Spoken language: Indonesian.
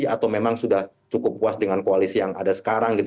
atau memang sudah cukup puas dengan koalisi yang ada sekarang gitu